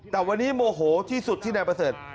แต่วันนี้โมโหที่สุดที่นายประเสริฐ